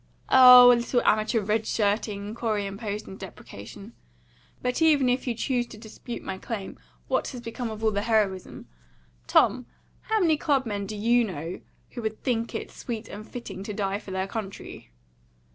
"Oh, a little amateur red shirting," Corey interrupted in deprecation. "But even if you choose to dispute my claim, what has become of all the heroism? Tom, how many club men do you know who would think it sweet and fitting to die for their country?"